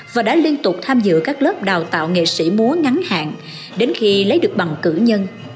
và đã liên tục tham dự các lớp đào tạo nghệ sĩ múa ngắn hạn đến khi lấy được bằng cử nhân